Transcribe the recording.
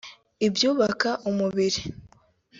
ibyubaka umubiri